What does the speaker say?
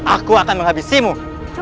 aku akan mencari kebaikanmu